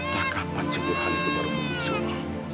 tak kapan si burhan itu baru muncul